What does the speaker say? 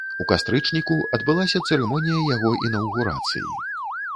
У кастрычніку адбылася цырымонія яго інаўгурацыі.